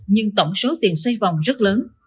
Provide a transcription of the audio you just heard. nhưng tổng số tiền xoay vòng rất lớn